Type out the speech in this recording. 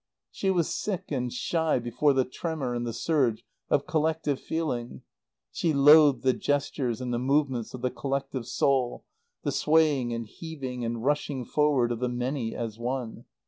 She was sick and shy before the tremor and the surge of collective feeling; she loathed the gestures and the movements of the collective soul, the swaying and heaving and rushing forward of the many as one.